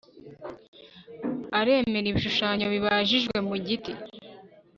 aremera ibishushanyo bibajijwe mu giti